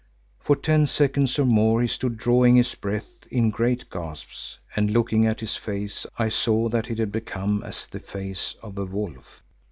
For ten seconds or more he stood drawing his breath in great gasps, and, looking at his face, I saw that it had become as the face of a wolf.